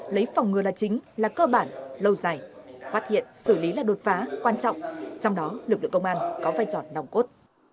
lấy phòng ngừa là chính là cơ bản lâu dài phát hiện xử lý là đột phá quan trọng trong đó lực lượng công an có vai trò nòng cốt